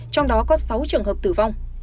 trong đó có sáu trường hợp tử vong